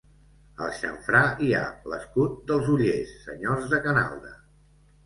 Al xamfrà hi ha l'escut dels Ollers, senyors de Canalda.